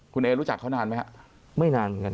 คุณเอรู้จักเขานานไหมฮะ